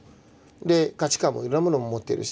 で価値観もいろんなものを持ってるし。